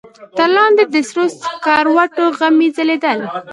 تر لاندې د سرو سکروټو غمي ځلېدل.